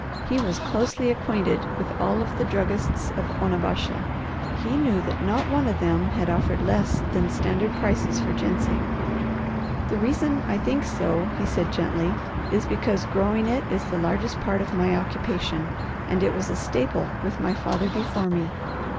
He was closely acquainted with all of the druggists of Onabasha, and he knew that not one of them had offered less than standard prices for ginseng. "The reason I think so," he said gently, "is because growing it is the largest part of my occupation, and it was a staple with my father before me.